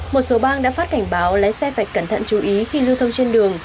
một số bang đã phát cảnh báo lái xe vạch cẩn thận chú ý khi lưu thông trên đường